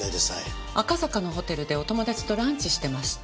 赤坂のホテルでお友達とランチしてました。